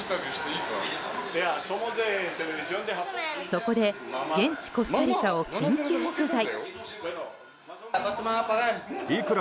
そこで現地コスタリカを緊急取材。